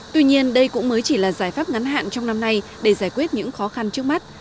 tuy nhiên đây cũng mới chỉ là giải pháp ngắn hạn trong năm nay để giải quyết những khó khăn trước mắt